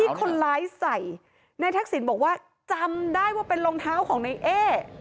คนร้ายใส่นายทักษิณบอกว่าจำได้ว่าเป็นรองเท้าของในเอ